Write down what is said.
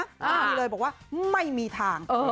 อ้าบอกว่าไม่มีทาง